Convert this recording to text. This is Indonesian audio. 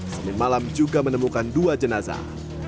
senin malam juga menemukan dua jenazah